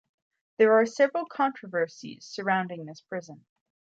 There are several controversies surrounding this prison.